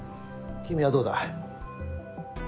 君はどうだ？